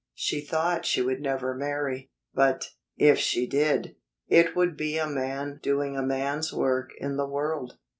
She thought she would never marry; but, if she did, it would be a man doing a man's work in the world.